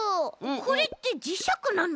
これってじしゃくなの？